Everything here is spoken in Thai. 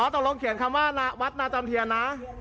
อ๋อตรงลงเขียนคำว่าวัดนาจำเทียนนะ